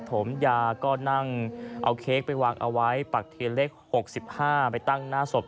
ถมยาก็นั่งเอาเค้กไปวางเอาไว้ปักเทียนเลข๖๕ไปตั้งหน้าศพ